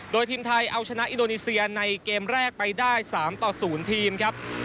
โดยทีมไทยเอาชนะอินโดนีเซียในเกมแรกไปได้๓ต่อ๐ทีมครับ